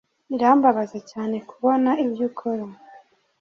birambabaza cyane kubona ibyo ukora